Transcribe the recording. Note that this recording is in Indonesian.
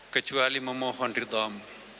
kecuali memohon ridham